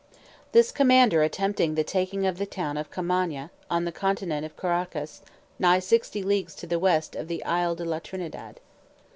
This commander attempted the taking of the town of Commana, on the continent of Caraccas, nigh sixty leagues to the west of the Isle de la Trinidad.